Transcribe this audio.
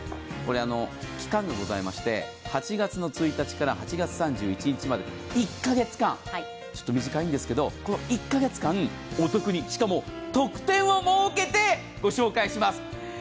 期間がございまして、８月１日から８月３１日まで１カ月間、ちょっと短いんですけど、お得にしかも特典を設けてご紹介します。